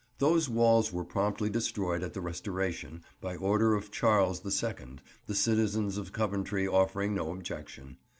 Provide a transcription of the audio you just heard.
Those walls were promptly destroyed at the Restoration, by order of Charles the Second, the citizens of Coventry offering no objection.